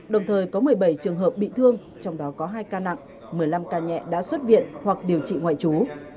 đồng thời có một mươi bảy trường hợp bị thương trong đó có hai ca nặng một mươi năm ca nhẹ đã xuất viện hoặc điều trị ngoại trú